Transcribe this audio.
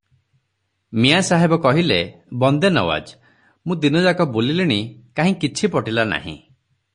ମିଆଁ ସାହେବ କହିଲେ --"ବନ୍ଦେ ନୱାଜ, ମୁଁ ଦିନଯାକ ବୁଲିଲାଣି, କାହିଁ କିଛି ପଟିଲା ନାହିଁ ।